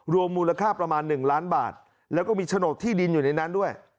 รวมมูลค่าประมาณ๑ล้านบาทแล้วก็มีโฉนดที่ดินอยู่ในนั้นด้วย